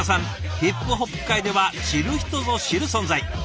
ヒップホップ界では知る人ぞ知る存在。